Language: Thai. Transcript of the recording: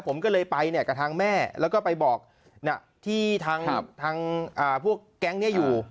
ผมก็เลยไปเนี่ยกับทางแม่แล้วก็ไปบอกที่ทางพวกแก๊งนี้อยู่